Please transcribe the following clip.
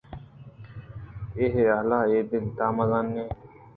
اے حیالءَ آئی ءِ دل ءِ تہا مزنی